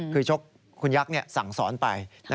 คือชกคุณยักษ์สั่งสอนไป